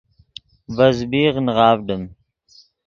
ڤے زبیغ نغاڤڈیم